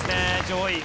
上位。